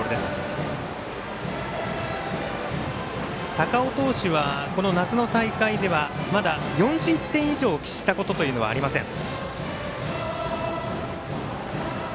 高尾投手は、夏の大会ではまだ４失点以上を喫したことというのはありません。